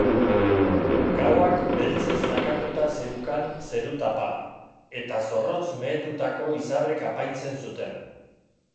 Gauak beltzez lakatuta zeukan zeru-tapa, eta zorrotz mehetutako izarrek apaintzen zuten.